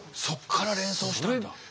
そっから連想したんだ。